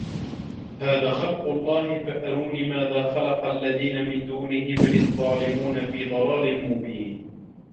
هذا خَلقُ اللَّهِ فَأَروني ماذا خَلَقَ الَّذينَ مِن دونِهِ بَلِ الظّالِمونَ في ضَلالٍ مُبينٍ